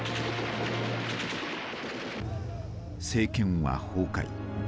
政権は崩壊。